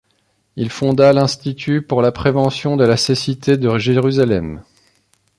Il fonda l'Institut pour la prévention de la cécité de Jérusalem.